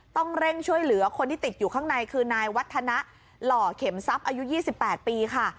ต้องเร่งช่วยเหลือคนที่ติดอยู่ข้างในคือนายวัฒนะหล่อเข็มทรัพย์อายุ๒๘ปีค่ะ